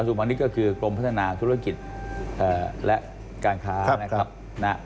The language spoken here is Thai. กระทรวงพันนิษฐ์ก็คือกลมพัฒนาธุรกิจและการค้านะครับ